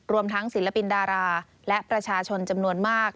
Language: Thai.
รวมทั้งศิลปินดาราและประชาชนจำนวนมาก